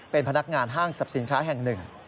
เป็นพนักงานห้างสรรพสินค้าแห่งหนึ่ง